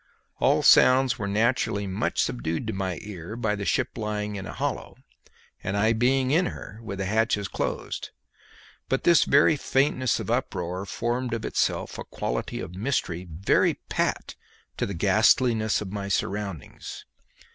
All sounds were naturally much subdued to my ear by the ship lying in a hollow, and I being in her with the hatches closed; but this very faintness of uproar formed of itself a quality of mystery very pat to the ghastliness of my surroundings.